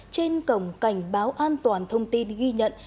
trên cổng cảnh báo an toàn thông tin ghi nhận